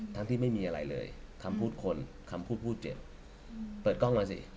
ทั้งที่ไม่มีอะไรเลยคำพูดคนคำพูดพูดเจ็บเปิดกล้องหน่อยสิ